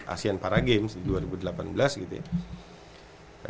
asean para games di dua ribu delapan belas gitu ya